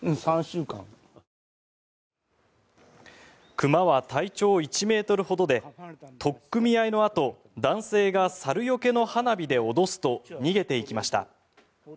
熊は体長１ｍほどで取っ組み合いのあと男性が猿よけの花火で脅すと逃げていきました。